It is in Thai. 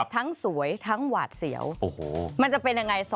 ทั้งสวยทั้งหวาดเสียวมันจะเป็นยังไง